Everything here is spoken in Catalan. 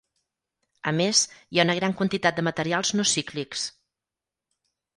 A més, hi ha una gran quantitat de materials no cíclics.